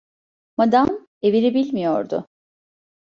Madam evini bilmiyordu.